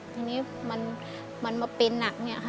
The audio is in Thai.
ทีนี้มันมาเป็นนัก